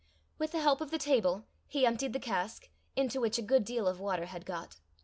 With the help of the table, he emptied the cask, into which a good deal of water had got.